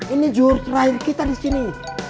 ini juhur terakhir kita disini